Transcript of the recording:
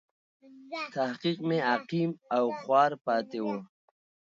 تحقیق مې عقیم او خوار پاتې و.